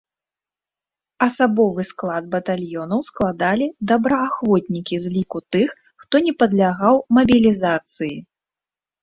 Асабовы склад батальёнаў складалі добраахвотнікі з ліку тых, хто не падлягаў мабілізацыі.